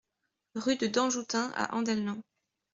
Rue de Danjoutin à Andelnans